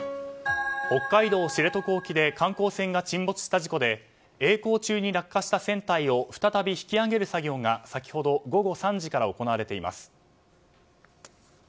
北海道知床沖で観光船が沈没した事故で曳航中に落下した船体を再び引き揚げる作業が先ほど午後３時から行われています。